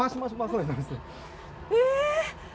え！？